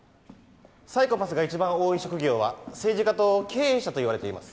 サイコパスが一番多い職業は政治家と経営者といわれています